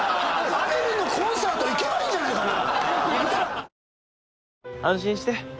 アデルのコンサート行けばいいんじゃないかな？